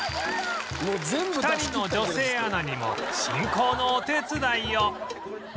２人の女性アナにも進行のお手伝いを